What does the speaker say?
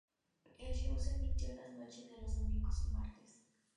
El show se emitió las noches de los domingos y martes.